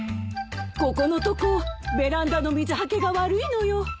ここのとこベランダの水はけが悪いのよ。